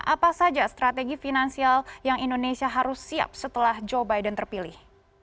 apa saja strategi finansial yang indonesia harus siap setelah joe biden terpilih